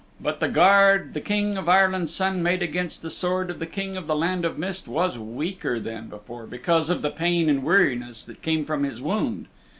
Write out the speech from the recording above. But the guard the King of Ireland's Son made against the sword of the King of the Land of Mist was weaker than before, because of the pain and weariness that came from his wound.